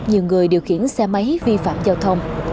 nhiều người điều khiển xe máy vi phạm giao thông